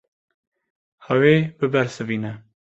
Ew ê bibersivîne.